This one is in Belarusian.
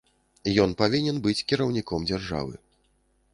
Ён павінен быць кіраўніком дзяржавы.